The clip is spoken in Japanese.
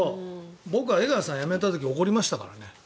僕は江川さんが辞めた時怒りましたからね。